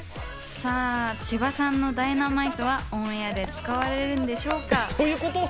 さぁ、千葉さんの『Ｄｙｎａｍｉｔｅ』はオンエアで使われるんでしょうか。